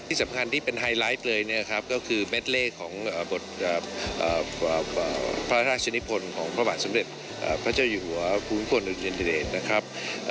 ที่สำคัญที่เป็นไฮไลท์เลยนะครับก็คือเม็ดเลขของบทพระราชนิพลของพระบาทสมเด็จพระเจ้าอยู่หัวภูมิพลอดุญเดชนะครับ